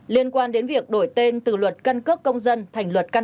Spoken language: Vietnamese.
liên quan đến việc đổi tên từ luật căn cước công dân thành luật căn